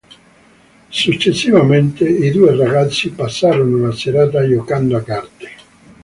Successivamente i due ragazzi passarono la serata giocando a carte.